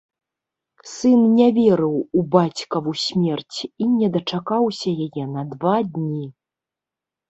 Сын не верыў у бацькаву смерць і не дачакаўся яе на два дні.